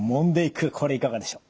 これいかがでしょう？